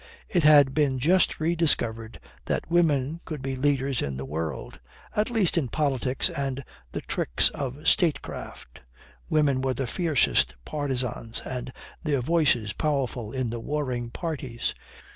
It had been just rediscovered that women could be leaders in the world at least in politics and the tricks of statecraft. Women were the fiercest partisans and their voices powerful in the warring parties.